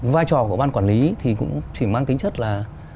vai trò của ban quản lý thì cũng chỉ mang tính chất là